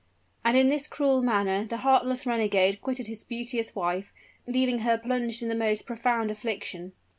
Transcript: And in this cruel manner the heartless renegade quitted his beauteous wife, leaving her plunged in the most profound affliction.